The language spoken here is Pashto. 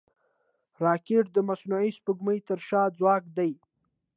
راکټ د مصنوعي سپوږمکۍ تر شا ځواک دی